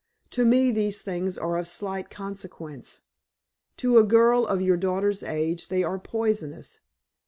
To me these things are of slight consequence. To a girl of your daughter's age they are poisonous.